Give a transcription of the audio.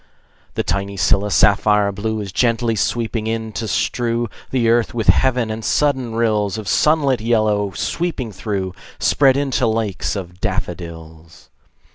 The tiny scilla, sapphire blue, Is gently sweeping in, to strew The earth with heaven; and sudden rills Of sunlit yellow, sweeping through, Spread into lakes of daffodils.